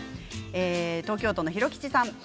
東京都の方からです。